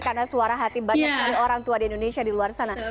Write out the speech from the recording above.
karena suara hati banyak sekali orang tua di indonesia di luar sana